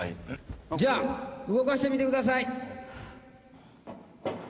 じゃあ動かしてみてください。